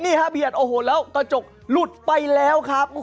เบียดโอ้โหแล้วกระจกหลุดไปแล้วครับ